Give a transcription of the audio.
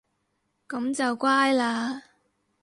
噉就乖嘞